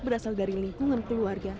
berasal dari lingkungan keluarga